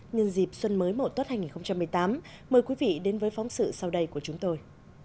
nhân dịp xuân mới mộ tốt hai nghìn một mươi tám mời quý vị đến với phóng sự sau đây của chúng tôi